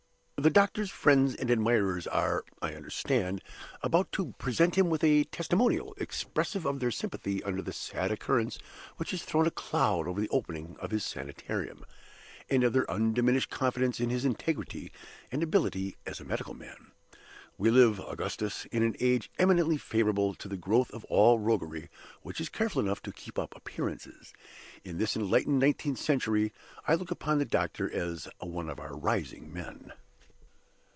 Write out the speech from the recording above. The doctor's friends and admirers are, I understand, about to present him with a Testimonial, 'expressive of their sympathy under the sad occurrence which has thrown a cloud over the opening of his Sanitarium, and of their undiminished confidence in his integrity and ability as a medical man.' We live, Augustus, in an age eminently favorable to the growth of all roguery which is careful enough to keep up appearances. In this enlightened nineteenth century, I look upon the doctor as one of our rising men.